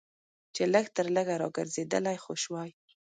چې لږ تر لږه راګرځېدلی خو شوای.